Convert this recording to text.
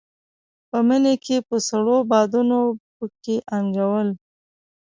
په مني کې به سړو بادونو په کې انګولل.